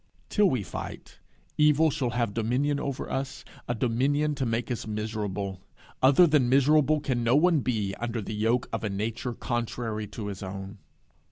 Till we fight, evil shall have dominion over us, a dominion to make us miserable; other than miserable can no one be, under the yoke of a nature contrary to his own.